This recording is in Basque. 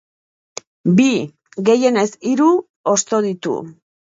Bi, gehienez hiru, hosto ditu.